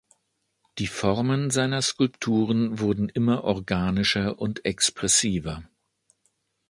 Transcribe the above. Die Formen seiner Skulpturen wurden immer organischer und expressiver.